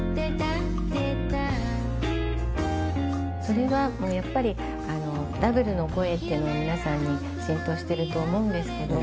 それはもうやっぱりダブルの声っていうのは皆さんに浸透してると思うんですけど